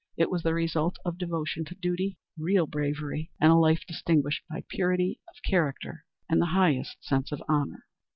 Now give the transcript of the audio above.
It was the result of devotion to duty, real bravery, and a life distinguished by purity of character and the highest sense of honor.